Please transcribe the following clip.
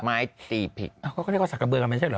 ไม้ตีพริกเขาเรียกว่าสักกระเบิกอันนั้นใช่เหรอ